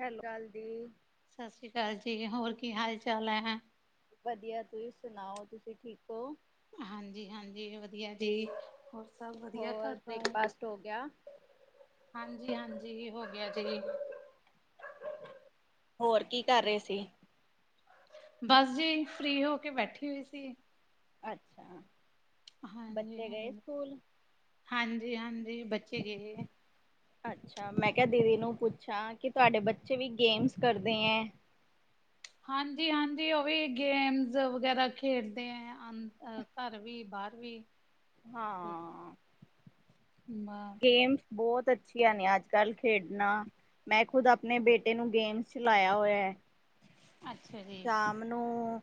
Hello Raj ਦੀ। ਸ਼੍ਰੀ ਅਕਾਲ ਜੀ, ਹੋਰ ਕੀ ਹਾਲ ਚਾਲ ਐ ਹੈ। ਵਧੀਆ, ਤੁਸੀਂ ਸੁਣਾਓ। ਤੁਸੀਂ ਠੀਕ ਹੋ। ਹਾਂਜੀ-ਹਾਂਜੀ ਵਧੀਆ ਜੀ। ਹੋਰ ਸਭ ਵੱਧੀਆ ਹੋਰ ਘਰ ਬਾਰ, ਬ੍ਰੇਕਫਾਸਟ ਹੋ ਗਿਆ ਹਾਂਜੀ ਹਾਂਜੀ ਹੋ ਗੇਆ ਜੀ। ਹੋਰ ਕੀ ਕਰ ਰਏ ਸੀ? ਬਸ ਜੀ ਫ੍ਰੀ ਹੋ ਕੇ ਬੈਠੀ ਹੋਈ ਸੀ‌। ਅੱਛਾ, ਬੱਚੇ ਗਏ ਸਕੂਲ? ਹਾਂਜੀ ਹਾਂਜੀ, ਬੱਚੇ ਗਏ। ਅੱਛਾ, ਮੈਂ ਕੇਆ ਦੀਦੀ ਨੂੰ ਪੁੱਛਾਂ ਕਿ ਤੁਆਡੇ ਬੱਚੇ ਵੀ ਗੇਮਸ ਕਰਦੇ ਐ। ਹਾਂਜੀ ਹਾਂਜੀ, ਓ ਵੀ ਗੇਮਸ ਵਗੈਰਾ ਖੇਡਦੇ ਐ, ਅ ਘਰ ਵੀ ਬਾਰ ਵੀ। ਹਾਂ ਗੇਮਸ ਬੋਤ ਅੱਛੀਆਂ ਨੇ ਅੱਜ -ਕੱਲ ਖੇਡਣਾ, ਮੈਂ ਖੁਦ ਆਪਣੇ ਬੇਟੇ ਨੂੰ ਗੇਮਸ ਚਲਾਏਆ ਹੋਏਆ। ਅੱਛਾ ਜੀ। ਹ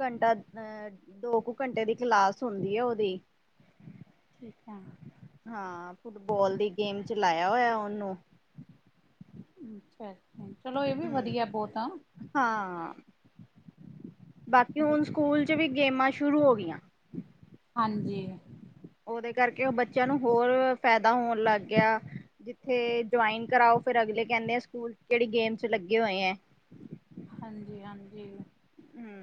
ਘੰਟਾ ਅਹ ਦੋ ਕੁ ਘੰਟੇ ਦੀ ਕਲਾਸ ਹੁੰਦੀ ਐ ਓਦੀ। ਠੀਕ ਆ। ਹਾਂ ਫੁੱਟਬਾਲ ਦੀ ਗੇਮ ਚ ਲਾਏਆ ਹੋਏਆ ਓਨੂੰ। ਅੱਛਾ -ਅੱਛਾ ਚਲੋ, ਏ ਵੀ ਹਮ ਵੱਧੀਆ ਬੋਤ ਆ। ਹਾਂ, ਬਾਕੀ ਹੁਣ ਸਕੂਲ ਚ ਵੀ ਗੇਮਾਂ ਸ਼ੁਰੂ ਹੋ ਗਈਆਂ। ਹਾਂਜੀ। ਓਦੇ ਕਰਕੇ ਓ ਬੱਚੇਆਂ ਨੂੰ ਹੋਰ ਫੈਦਾ ਹੋਣ ਲੱਗ ਗੇਆ। ਜਿੱਥੇ ਜੁਆਇਨ ਕਰਾਓ ਫਿਰ ਅਗਲੇ ਕੇਂਦੇ ਆ ਸਕੂਲ ਕੇੜੀ ਗੇਮ ਚ ਲੱਗੇ ਹੋਏ ਐ? ਹਾਂਜੀ -ਹਾਂਜੀ। ਹੂੰ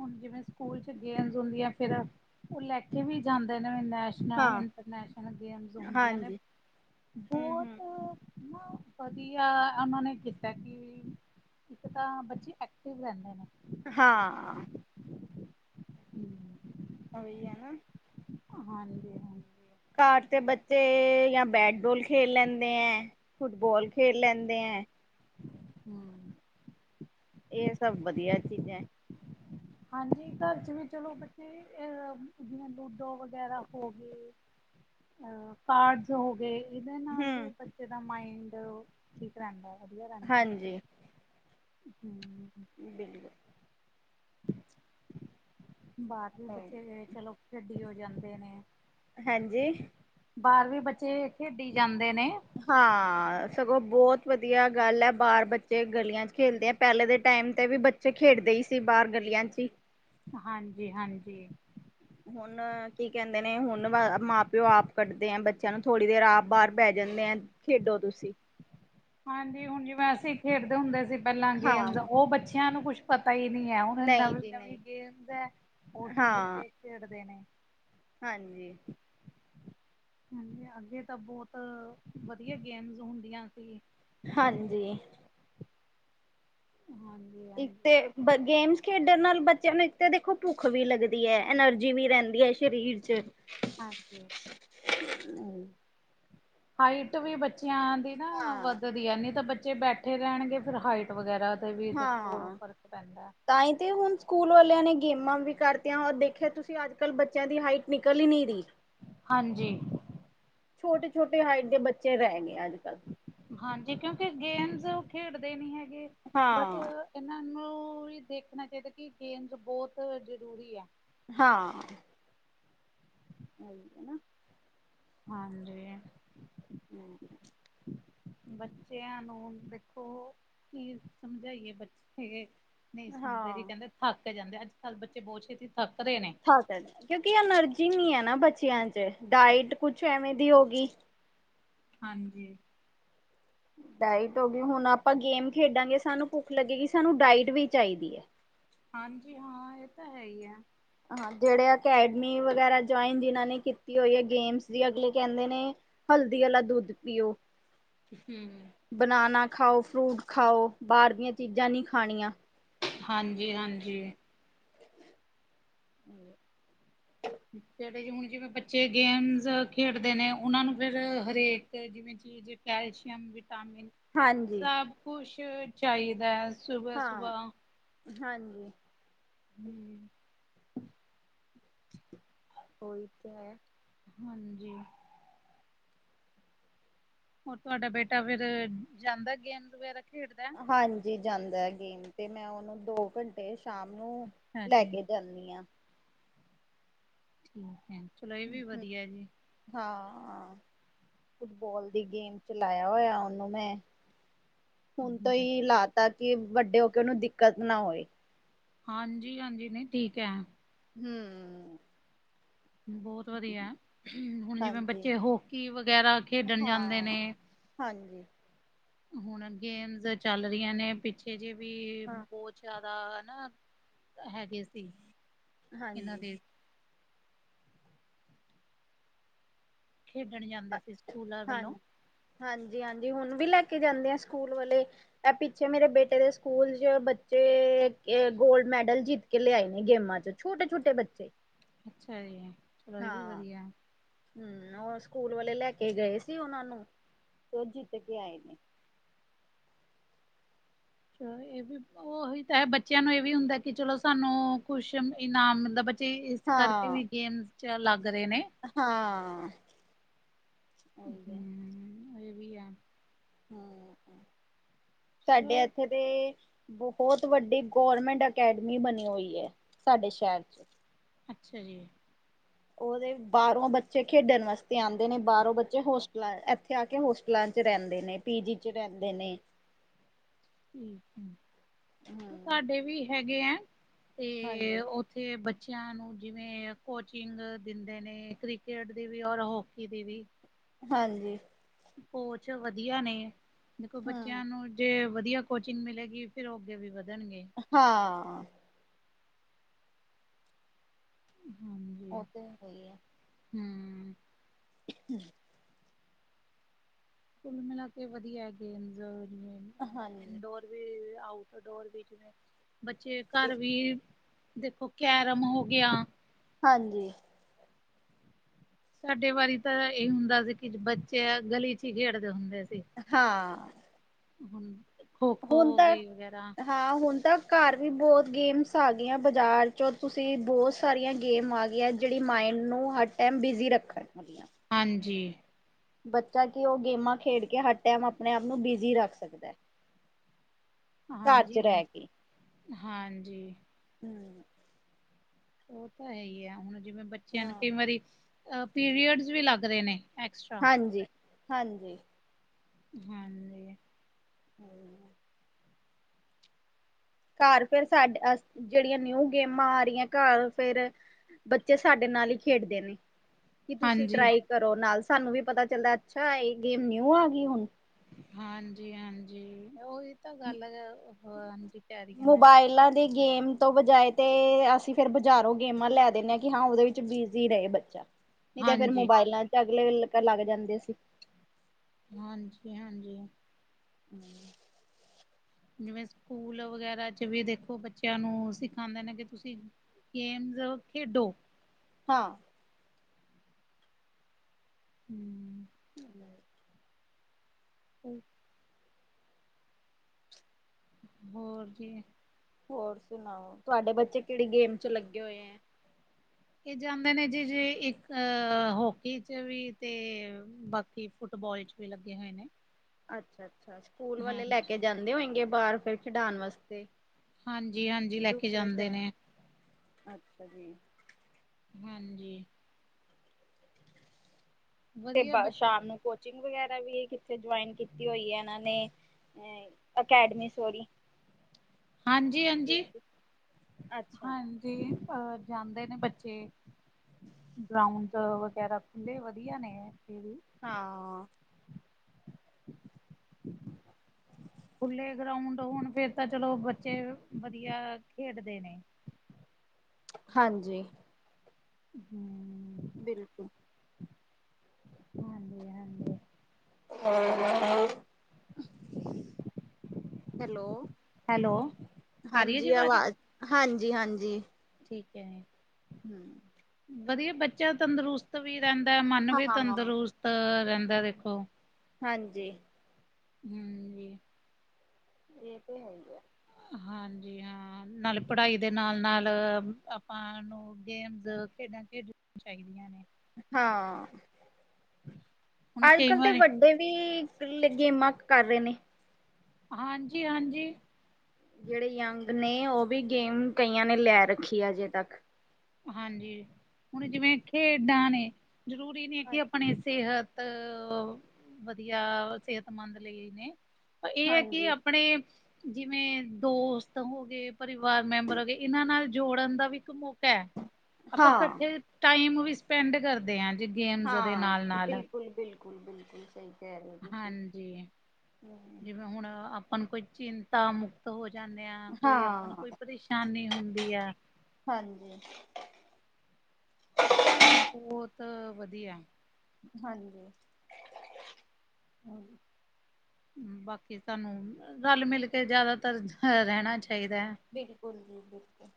ਹੁਣ ਜਿਵੇਂ ਸਕੂਲ ਚ ਗੇਮਸ ਹੁੰਦੀਆਂ, ਫਿਰ ਓ ਲੈਕੇ ਵੀ ਜਾਂਦੇ ਨੇ ਨਾਲ ਨਾਲੇ ਹੁਣ ਹਾਂ ਇੰਟਰਨੈਸ਼ਨਲ ਗੇਮਸ ਹੁੰਦੀਆਂ ਨੇ, ਹਾਂਜੀ ਹਮ ਹਮ ਬੋਤ ਨਾ, ਵੱਧੀਆ ਓਹਨਾਂ ਨੇ ਕੀਤਾ ਕੀ ਇੱਕ ਤਾਂ ਬੱਚੇ ਐਕਟਿਵ ਰੇਂਦੇ ਨੇ ਹਾਂ। ਹੂੰ ਓਈ ਆ ਨਾ। ਹਾਂਜੀ- ਹਾਂਜੀ। ਘਾਰ ਤੇ ਬੱਚੇ ਏ ਜਾਂ ਬੈਟ-ਬੋਲ ਖੇਲ ਲੇਂਦੇ ਐ ਫੁੱਟ-ਬੋਲ ਖੇਲ ਲੈਂਦੇ ਐ ਹੂੰ ਏ ਸਭ ਵੱਧੀਆ ਚੀਜ਼ਾਂ ਏ ਹਾਂਜੀ, ਘਰ 'ਚ ਵੀ ਚਲੋ, ਬੱਚੇ ਏ ਜਿਵੇਂ ਲੂਡੋ ਵਗੈਰਾ ਹੋ ਗਈ ਅ ਕਾਰਡਜ਼ ਹੋ ਗਏ, ਏਦੇ ਨਾਲ ਵੀ ਹਮ ਬੱਚੇ ਦਾ ਮਾਇੰਡ ਠੀਕ ਰੇਂਦਾ ਵੱਧੀਆ ਰੇਂਦਾ ਹਾਂਜੀ ਹੂ ਬਿਲਕੁਲ ਬਾਰ ਵੀ ਬੱਚੇ ਜੇੜੇ ਚਲੋ ਖੇਡੀ ਹੋ ਜਾਂਦੇ ਨੇ। ਹਾਂਜੀ? ਬਾਰ ਵੀ ਬੱਚੇ ਖੇਡੀ ਜਾਂਦੇ ਨੇ। ਹਾਂ ਸਗੋਂ ਬੋਤ ਵੱਧੀਆ ਗੱਲ ਆ ਬਾਰ ਬੱਚੇ ਗਲੀਆਂ 'ਚ ਖੇਲਦੇ ਆ ਪੇਲੇ ਦੇ ਟਾਈਮ ਤੇ ਵੀ ਬੱ 'ਚੇ ਖੇਡਦੇ ਹੀ ਸੀ ਬਾਰ ਗਲੀਆਂ ਈ, ਚੀ ਹਾਂਜੀ-ਹਾਂਜੀ। ਹੁਣ ਕੀ ਕੇਂਦੇ ਨੇ ਹੁਣ ਮਾਂ ਪਿਓ ਆਪ ਕੱਢਦੇ ਆ ਬੱਚੇਆਂ ਨੂੰ ਥੋੜ੍ਹੀ ਦੇਰ ਆਪ ਬਾਹਰ ਬੈ ਜਾਂਦੇ ਆ ਖੇਡੋ ਤੁਸੀਂ। ਹਾਂਜੀ, ਹੁਣ ਜਿਵੇਂ ਅਸੀਂ ਖੇਡਦੇ ਹੁੰਦੇ ਸੀ ਪੈਲਾ ਗੇਮਸ ਹਾਂ ਉਹ ਬੱਚਿਆਂ ਨੂੰ ਕੁਛ ਪਤਾ ਈ ਨੀ ਆ ਹੁਣ ਨਹੀਂ ਜੀ ਨਹੀਂ ਨਵੀਂ-ਨਵੀਂ ਗੇਮਸ ਆ ਉਹੀ ਹਾਂ ਬੱਚੇ ਖੇਡਦੇ ਨੇ। ਹਾਂਜੀ। ਹਾਂਜੀ, ਅੱਗੇ ਤਾਂ ਬੋਤ ਵਧੀਆ ਗੇਮਸ ਹੁੰਦੀਆਂ ਸੀ। ਹਾਂਜੀ। ਹਾਂਜੀ ਇੱਕ ਤੇ ਹਾਂਜੀ। ਬ ਗੇਮਸ ਖੇਡਣ ਨਾਲ ਬੱਚਿਆਂ ਨੂੰ ਇੱਕ ਤੇ ਦੇਖੋ ਭੁੱਖ ਵੀ ਲੱਗਦੀ ਐ ਐਨਰਜੀ ਵੀ ਰੇੰਦੀ ਐ ਸ਼ਰੀਰ ਚ। ਹਾਂਜੀ। [unintelligible] ਹਾਈਟ ਵੀ ਬੱਚਿਆਂ ਦੀ ਨਾ ਹਾਂ ਵੱਧਦੀ ਆ ਨੀ ਤੇ ਬੱਚੇ ਬੈਠੇ ਰਹਿਣਗੇ ਫਿਰ ਹਾਈਟ ਵਗੈਰਾ ਤੇ ਵੀ ਦੇਖੋ ਫ਼ਰਕ ਪੈਂਦਾ। ਤਾ ਈ ਤੇ ਹੁਣ ਸਕੂਲ ਵਾਲਿਆਂ ਨੇ ਗੇਮਾਂ ਵੀ ਕਰਤੀਆਂ ਦੇਖਿਆ ਤੁਸੀਂ ਅੱਜ-ਕੱਲ ਬੱਚਿਆਂ ਦੀ ਹਾਈਟ ਨਿਕਲ ਹੀ ਨੀ ਰੀ। ਹਾਂਜੀ। ਛੋਟੇ-ਛੋਟੇ ਹਾਈਟ ਦੇ ਬੱਚੇ ਰੈ ਗੇ ਅੱਜ-ਕੱਲ। ਹਾਂਜੀ, ਕਿਉਂਕਿ ਗੇਮਸ ਓ ਖੇਡਦੇ ਨੀ ਹੈਗੇ ਬਟ ਹਾਂ ਇਹਨਾਂ ਨੂੰ ਵੀ ਦੇਖਣਾ ਚਾਈਦਾ ਕਿ ਗੇਮਸ ਬੋਤ ਜ਼ਰੂਰੀ ਐ। ਹਾਂ। ਹਨਾ। ਹਾਂਜੀ। [unintelligible] ਬੱਚਿਆਂ ਨੂੰ ਦੇਖੋ ਕੀ ਸਮਝਾਈਏ ਬੱਚੇ ਨੀ ਸੁਣਦੇ ਜੀ ਹਾਂ ਕਹਿੰਦੇ ਥੱਕ ਜਾਂਦੇ, ਅੱਜ-ਕੱਲ ਬੱਚੇ ਬੋਤ ਛੇਤੀ ਥੱਕ ਰੇ ਨੇ। ਆ ਭੇ ਕਿਉਂਕਿ ਅਨਰਜੀ ਨੀ ਹੈ ਨਾ ਬੱਚਿਆਂ ਚ ਡਾਇਟ ਕੁਛ ਐਵੇਂ ਦੀ ਹੋ ਗੀ। ਹਾਂਜੀ। ਡਾਇਟ ਹੋ ਗੀ ਹੁਣ ਆਪਾਂ ਗੇਮ ਖੇਡਾਂਗੇ ਸਾਨੂੰ ਭੁੱਖ ਲੱਗੇਗੀ ਸਾਨੂੰ ਡਾਇਟ ਵੀ ਚਾਈਦੀ ਐ। ਹਾਂਜੀ ਹਾਂ ਏ ਤਾਂ ਹੈ ਈ ਆ। ਹਾਂ ਜੇੜੇ ਅਕੈਡਮੀ ਵਗੈਰਾ ਜੁਇਨ ਜਿਨਾਂ ਨੇ ਕਿ ਤੀ ਹੋਈ ਐ ਗੇਮਸ ਦੀ ਅਗਲੇ ਕੇਂਦੇ ਨੇ ਹਲਦੀ ਆਲਾ ਦੁੱਧ ਪੀਓ। ਹੂੰ। ਬਨਾਨਾ ਖਾਓ, ਫਰੂਟ ਖਾਓ ਬਾਰ ਦੀਆਂ ਚੀਜ਼ਾਂ ਨੀ ਖਾਣੀਆ। ਹਾਂਜੀ-ਹਾਂਜੀ [inaudible] ਜੇਵੇ ਕੀ ਹੁਣ ਜਿਵੇਂ ਬੱਚੇ ਗੇਮਸ ਖੇਡਦੇ ਨੇ ਉਨਾਂ ਨੂੰ ਫਿਰ ਹਰੇਕ ਜਿਵੇਂ ਚ ਕੈਲਸ਼ੀਅਮ, ਵਿਟਾਮਿਨ ਹਾਂਜੀ। ਸਭ ਕੁਛ ਚਾਈਦਾ। ਹਾਂ ਹਾਂਜੀ। ਹਮ ਉਈ ਤੇ ਐ। ਹਾਂਜੀ। ਹੋਰ ਤੁਹਾਡਾ ਬੇਟਾ ਫੇਰ ਜਾਂਦਾ ਗੇਮ ਵਗੈਰਾ ਖੇਡਦਾ। ਹਾਂਜੀ ਜਾਂਦਾ ਗੇਮ ਤੇ ਮੈਂ ਉਹਨੂੰ ਦੋ ਘੰ ਤੇ ਸ਼ਾਮ ਨੂੰ ਲੈ ਹਾਂਜੀ ਕੇ ਜਾਣੀ ਆ। ਠੀਕ ਐ ਚਲੋ ਏ ਵੀ ਹਮ। ਵਧੀਆ ਐ ਜੀ। ਹਾਂ ਫੁੱਟਬੋਲ ਦੀ ਗੇਮ ਚ ਲਾਇਆ ਹੋਇਆ ਓਨੂੰ ਮੈਂ। ਹੁਣ ਤੋਂ ਹਮ ਹੀ ਲਾਤਾ ਕਿ, ਵੱਡੇ ਹੋ ਕੇ ਉਹਨੂੰ ਦਿੱਕਤ ਨਾ ਹੋਵੇ ਹਾਂਜੀ- ਹਾਂਜੀ, ਨਹੀਂ ਠੀਕ ਐ ਹਮ ਬਹੁਤ ਵਧੀਆ। ਹੁਣ ਜਿਵੇਂ ਹਾਂਜੀ, ਬੱਚੇ ਹੋਕੀ ਵਗੈਰਾ ਖੇਡਣ ਜਾਂਦੇ ਹਾਂ, ਨੇ ਹਾਂਜੀ। ਹੁਣ ਗੇਮਸ ਚੱਲ ਰਹੀਆਂ ਨੇ, ਪਿੱਛੇ ਜੇ ਵੀ ਹਾਂ, ਬਹੁਤ ਜ਼ਿਆਦਾ ਨਾ ਹੈਗੇ ਸੀ। ਇਹਨਾਂ ਹਾਂਜੀ ਦੇ ਖੇਡਣ ਜਾਂਦੇ ਸੀ। ਸਕੂਲਾਂ ਵੱਲੋਂ ਹਾਂਜੀ-ਹਾਂਜੀ, ਹੁਣ ਵੀ ਲੈ ਕੇ ਜਾਂਦੇ ਆ। ਸਕੂਲ ਵਾਲੇ ਇਹ ਪਿੱਛੇ, ਮੇਰੇ ਬੇਟੇ ਦੇ ਸਕੂਲ ਚ, ਬੱਚੇ ੲਹ ਗੋਲਡ ਮੈਡਲ ਜਿੱਤ ਕੇ ਲਿਆਏ ਨੇ ਗੇਮਾਂ ਚ, ਛੋਟੇ-ਛੋਟੇ ਬੱਚੇ ਅੱਛਾ ਜੀ। ਚਲੋ ਇਹ ਵੀ ਹਾਂ। ਵਧੀਆ ਹਮ, ਉਹ ਸਕੂਲ ਵਾਲੇ ਲੈ ਕੇ ਗਏ ਸੀ ਉਹਨਾਂ ਨੂੰ, ਤੇ ਉਹ ਜਿੱਤ ਕੇ ਆਏ ਨੇ। ਇਹ ਵੀ ਉਹੀ ਤਾਂ ਹੈ। ਬੱਚਿਆਂ ਨੂੰ ਇਹ ਵੀ ਹੁੰਦਾ ਕਿ ਚਲੋ, ਸਾਨੂੰ ਕੁਛ ਇਨਾਮ ਮਿਲਦਾ ਬੱ ਚੇ ਇਸ ਕਰਕੇ ਹਾਂ ਵੀ ਗੇਮਸ ਚ, ਲੱਗ ਰਹੇ ਨੇ। ਹਾਂ। ਉਹੀ ਹਮ ਹਮ, ਤੁਹਾਡੇ ਚਲੋ ਇੱਥੇ ਤੇ ਬਹੁਤ ਵੱਡੀ ਗੌਰਮੈਂਟ ਅਕੈਡਮੀ ਬਣੀ ਹੋਈ ਐ। ਸਾਡੇ ਸ਼ਹਿਰ ਚ ਅੱਛਾ ਜੀ। ਉਹਦੇ ਬਾਹਰੋਂ ਬੱਚੇ ਖੇਡਣ ਵਾਸਤੇ ਆਦੇ ਨੇ, ਬਾਹਰੋਂ ਬੱਚੇ ਹੋਸਟਲ ਇੱਥੇ ਆ ਕੇ ਹੋਸਟ ਸਕੂਲਾਂ ਚ ਰਹਿੰਦੇ ਨੇ, ਪੀਜੀ ਚ, ਰਹਿੰਦੇ ਨੇ। ਹਮ ਤੁਹਾਡੇ ਵੀ ਹੈਗੇ ਐ। ਤੇ ਹਾਂਜੀ ਉ ਇੱਥੇ ਬੱਚਿਆਂ ਨੂੰ ਜਿਵੇਂ ਕੋਚਿੰਗ ਦਿੰਦੇ ਨੇ, ਕ੍ਰਿਕਟ ਦੀ ਵੀ ਔਰ ਹੋਕੀ ਦੀ ਵੀ ਹਾਂਜੀ। ਕੋਚ ਵਧੀਆ ਨੇ, ਦੇਖੋ ਹਮ ਬੱਚਿਆਂ ਨੂੰ ਜੇ ਵਧੀਆ ਕੋਚਿੰਗ ਮਿਲੇਗੀ। ਫੇਰ ਉਹ ਅੱਗੇ ਵੀ ਵਧਣਗੇ। - ਹਾਂ। ਹਮ ਉਹ ਤੇ ਹੈ ਈ ਹੈ ਹਮ [inaudible] ਕੁੱਲ ਮਿਲਾ ਕੇ ਵਧੀਆ। ਐਗੇ ਇਜਿ ਹਾਂਜੀ ਇੰਡੋਰ ਵੀ ਆਊਟਡੋਰ ਵੀ, ਜਿਵੇਂ ਬੱਚੇ ਘਰ ਵੀ ਦੇਖੋ, ਕੈਰਿਮ ਹੋ ਗਿਆ। ਹਾਂਜੀ। ਸਾਡੇ ਵਾਰੀ ਤਾਂ ਇਹ ਹੁੰਦਾ ਸੀ। ਕਿ ਬੱਚੇ ਗਲੀ 'ਚ ਹੀ ਖੇਡਦੇ ਹੁੰਦੇ ਸੀ। ਹਾਂ ਖੋ- ਖੋ ਹੁਣ ਹੋ ਤਾਂ ਗਈ ਵਗੈਰਾ। ਹਾਂ, ਹੁਣ ਤਾਂ ਘਰ ਵੀ ਬਹੁਤ ਗੇਮਸ ਆ ਗਈਆਂ। ਬਾਜ਼ਾਰ 'ਚ ਤੁਸੀਂ ਬਹੁਤ ਸਾਰੀਆਂ ਗੇਮ ਆ ਗਈਆ। ਜਿਹੜੀਆ ਮਾਇੰਡ ਨੂੰ ਹਰ ਟਾਈਮ ਬਿਜ਼ੀ ਰੱਖਣ। ਹਾਂਜੀ। ਬੱਚਾ ਕਿ, ਉਹ ਗੇਮਾਂ ਖੇਡ ਕੇ ਹਰ ਟੈਮ ਆਪਣੇ ਆਪ ਨੂੰ ਬਿਜੀ ਰੱਖ ਸਕਦਾ। ਘਰ ਚ ਹਾਂਜੀ ਹਨ ਹਾਂਜੀ ਇਧਰ ਆਇਆ ਨਾ ਉਹ ਤੇ ਹੈ ਹੀ ਆ। ਹੁਣ ਜਿਵੇਂ, ਬੱਚਿਆਂ ਨੂੰ ਹਾਂ। ਕਈ ਵਾਰੀ ਪੀਰੀਅਡਸ ਵੀ ਲੱਗ ਰਹੇ ਨੇ। ਐਕਸਟਰਾ ਹਾਂਜੀ ਹਾਂਜੀ ਹਾਂਜੀ ਹੋਰ ਯਾ ਘਰ ਫਿਰ ਸਾਡੇ ਅਸ ਜਿਹੜੀਆਂ ਨਿਊ ਗੇਮਾਂ ਆ ਰਹੀਆਂ ਘਰ ਫਿਰ ਬੱਚੇ ਸਾਡੇ ਨਾਲ ਹੀ ਖੇਡਦੇ ਨੇ। ਕੀ ਤੁਸੀਂ ਹਾਂਜੀ ਟਰਾਈ ਕਰੋ ਨਾਲ। ਸਾਨੂੰ ਵੀ ਪਤਾ ਚੱਲਦਾ ਅੱਛਾ, ਇਹ ਗੇਮ ਨਿਊ ਆ ਗਈ ਹੁਣ। ਹਾਂਜੀ ਹਾਂਜੀ, ਉਹੀ ਤਾਂ ਗੱਲ ਹਾਂਜੀ ਕਹਿ ਰਹੀ ਹਾਂ ਮੈਂ। ਮੋਬਾਇਲਾਂ ਦੀ ਗੇਮ ਤੋਂ ਬਜਾਏ ਤੇ ਅਸੀਂ ਫਿਰ ਬਾਜ਼ਾਰੋਂ ਗੇਮਾਂ ਲੈ ਦਿੰਦੇ ਹਾਂ, ਕਿ ਹਾਂ ਉਹਦੇ ਵਿੱਚ ਬਿਜ਼ੀ ਰਹੇ ਬੱਚਾ, ਨਹੀਂ ਤੇ ਫਿਰ ਹਾਂਜੀ, ਮੋਬਾਇਲਾਂ 'ਚ ਅਗਲੇ ਲੱਗ ਜਾਂਦੇ ਸੀ। ਹਾਂਜੀ ਹਾਂਜੀ [inaudible] ਜਿਵੇਂ, ਸਕੂਲ ਵਗੈਰਾ ਚ ਵੀ ਦੇਖੋ, ਬੱਚਿਆਂ ਨੂੰ ਸਿਖਾਉਂਦੇ ਨੇ ਕਿ ਤੁਸੀਂ ਗੇਮਸ ਆ ਖੇਡੋ। ਹਾਂ। [unintelligible] [unintelligible] [unintelligible] ਹੋਰ ਕਿਵੇਂ ਹੋਰ ਸੁਣਾਓ, ਤੁਹਾਡੇ ਬੱਚੇ ਕਿਹੜੀ ਗੇਮ 'ਚ ਲੱਗੇ ਹੋਏ ਐ? ਇਹ ਜਾਂਦੇ ਨੇ ਜੀ ਜੇ ਇੱਕ ਹੋਕੀ 'ਚ ਵੀ ਤੇ ਬਾਕੀ ਫੁੱਟਬਾਲ 'ਚ ਵੀ ਲੱਗੇ ਹੋਏ ਨੇ। ਅੱਛਾ -ਅੱਛਾ, ਸਕੂਲ ਵਾਲੇ ਹਾਂਜੀ, ਲੈ ਕੇ ਜਾਂਦੇ ਹੋਏਗੇ ਬਾਹਰ ਫਿਰ ਖਿਡਾਣ ਵਾਸਤੇ। ਹਾਂਜੀ ਹਾਂਜੀ, ਲੈ ਕੇ ਦੂਸਰੇ ਜਾਂਦੇ ਸ਼ਹਿਰ ਨੇ। ਅੱਛਾ ਜੀ। ਹਾਂਜੀ ਤੇ ਇੱਕ ਵਧੀਆ ਵਾਰ ਬ ਸ਼ਾਮ ਨੂੰ ਕੋਚਿੰਗ ਵਗੈਰਾ ਵੀ ਕਿਤੇ ਜੁਆਇਨ ਕੀਤੀ ਹੋਈ ਆ ਇਹਨਾਂ ਨੇ। ਅ ਅਕੈਡਮੀ ਸੋਰੀ ਹਾਂਜੀ ਹਾਂਜੀ, ਗੇਮ ਅੱਛਾ ਹਾਂਜੀ ਜਾਂਦੇ ਨੇ ਬੱਚੇ। ਗਰਾਉਂਡ ਵਗੈਰਾ ਖੁੱਲੇ ਵਧੀਆ ਨੇ ਇਥੇ ਹਾਂ। ਖੁੱਲੇ ਗਰਾਉਂਡ ਹੋਣ ਫਿਰ ਤਾਂ ਚਲੋ ਬੱਚੇ ਵਧੀਆ ਖੇਡਦੇ ਨੇ। ਹਾਂਜੀ [unintelligible] ਬਿਲਕੁਲ। ਹਾਂਜੀ -ਹਾਂਜੀ। [unintelligible] ਹੈਲੋ ਹੈਲੋ ਆ ਰਹੀ ਹੈ ਜੀ ਹਾਂਜੀ ਆਵਾਜ਼ ਹਾਂਜੀ- ਹਾਂਜੀ। ਠੀਕ ਹੈ। ਹੂੰ,,, ਵਧੀਆ ਬੱਚਾ ਤੰਦਰੁਸਤ ਵੀ ਰਹਿੰਦਾ ਮਨ ਵੀ ਹਾਂ ਤੰਦਰੁਸਤ ਆ ਰਹਿੰਦਾ ਦੇਖੋ। ਹਾਂਜੀ। ਹੂੰ। ਜੀ ਏਹ ਤੇ ਹੈ ਈ ਐ। ਹਾਂਜੀ ਹਾਂ। ਨਾਲੇ ਪੜ੍ਹਾਈ ਦੇ ਨਾਲ-ਨਾਲ ਆਪਾਂ ਨੂੰ ਗੇਮਸ ਖੇਡਾਂ ਖੇਡ ਚਾਈਦੀਆਂ ਨੇ। ਹਾਂ। [unintelligible] ਅੱਜ-ਕੱਲ ਤੇ ਵਾਰੀ ਵੱਡੇ ਵੀ ਲਗ ਗੇਮਾਂ ਕਰ ਰੇ ਨੇ। ਹਾਂਜੀ-ਹਾਂਜੀ। ਜਿੜੇ ਯੰਗ ਨੇ ਓਵੀ ਗੇਮ ਕਈਆਂ ਨੇ ਲੈ ਰੱਖੀ ਅਜੇ ਤੱਕ ਹਾਂਜੀ, ਹੁਣ ਜਿਵੇਂ ਖੇਡਾਂ ਨੇ ਜ਼ਰੂਰੀ ਨੀ ਕਿ ਅਪਣੀ ਸੇਹਤ ਤ ਓ, ਵਧੀਆ ਸਿਹਤਮੰਦ ਲਈ ਨੇ ਪਰ ਐ ਕਿ ਹਾਂਜੀ ਆਪਣੇ, ਜਿਵੇਂ ਦੋਸਤ ਹੋ ਗਏ। ਪਰਿਵਾਰ ਮੈਂਬਰ ਹੋਗੇ ਏਨਾਂ ਨਾਲ ਜੋੜਨ ਦਾ ਵੀ ਇੱਕ ਮੌਕਾ ਐ। ਆਪਾਂ ਹਾਂ ਕੱਠੇ ਟਾਈਮ ਵੀ ਸਪੈਂਡ ਕਰਦੇ ਆ ਜੀ ਗੇਮਜ਼ ਦੇ ਹਾਂ ਨਾਲ-ਨਾਲ ਬਿਲਕੁਲ ਬਿਲਕੁਲ ਸਈ। ਹਾਂਜੀ, ਹਮ ਜਿਵੇਂ ਹੁਣ ਆਪਾਂ ਨੂੰ ਕੋਈ ਚਿੰ ਤਾ ਮੁਕਤ ਹੋ ਜਾਂਦੇ ਆ ਕੋਈ ਆਪਾਂ ਨੂੰ ਹਾਂ ਕੋਈ ਪਰੇਸ਼ਾਨੀ ਹੁੰਦੀ ਆ। ਹਾਂਜੀ। ਕਿ ਬੋਤ ਵਧੀਆ। ਹਾਂਜੀ, ਹਾਂ। ਬਾਕੀ ਸਾਨੂੰ ਰਾਲ-ਮੇਲ ਕੇ ਜ਼ਿਆਦਾਤਰ ਰੈਂਨਾ ਚਾਈਦਾ ਏ। ਬਿਲਕੁਲ ਜੀ ਬਿਲਕੁਲ।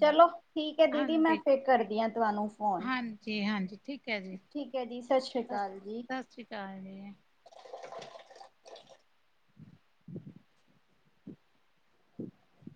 ਚਲੋ ਠੀਕ ਐ ਦੀਦੀ ਮੈਂ ਹਾਂਜੀ, ਫੇਰ ਕਰਦੀ ਆ ਤੁਆਨੂੰ ਫੋਨ। ਹਾਂਜੀ ਹਾਂ ਠੀਕ ਐ ਜੀ ਸਾਸ ਸ੍ਰੀ ਕਾਲ ਜੀ। ਸਾਸ ਸ਼੍ਰੀ ਕਾਲ ਜੀ। [unintelligible] [unintelligible]